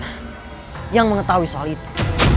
aku akan menghafalmu